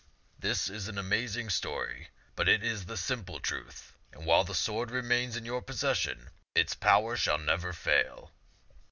This is an amazing story, but it is the simple truth ; and while the sword remains in your possession, its power shall never fail."